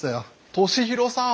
利宏さん。